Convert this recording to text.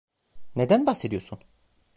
Neden bahsediyorsun?